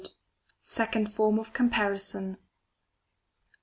§28. Second Form of Comparison.